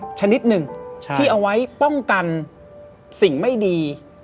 มันยังมีลักษณะชีวิตนึงที่เอาไว้ป้องกันสิ่งไม่ดี